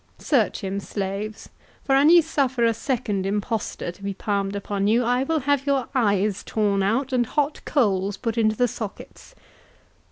Search him, slaves—for an ye suffer a second impostor to be palmed upon you, I will have your eyes torn out, and hot coals put into the sockets."